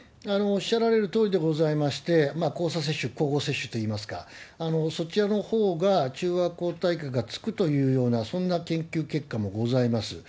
おっしゃられるとおりでございまして、交差接種、交互接種といいますか、そちらのほうが中和抗体価がつくというような、そんな研究結果もございます。